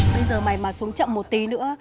bây giờ mày mà xuống chậm một tí nữa